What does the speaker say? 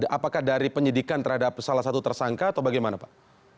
apakah dari penyidikan terhadap salah satu tersangka atau bagaimana pak